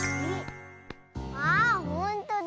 あほんとだ。